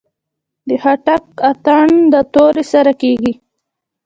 د خټک اتن د تورې سره کیږي.